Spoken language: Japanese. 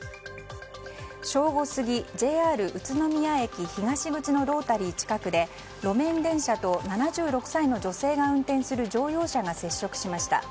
正午過ぎ、ＪＲ宇都宮駅東口のロータリー近くで路面電車と７６歳の女性が運転する乗用車が接触しました。